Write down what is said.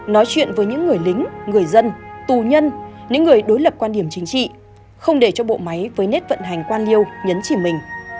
nói chuyện với những người lính người dân tù nhân những người đối lập quan điểm chính trị không để cho bộ máy với nét vận hành quan liêu nhấn chìm mình